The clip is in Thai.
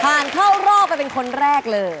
เข้ารอบไปเป็นคนแรกเลย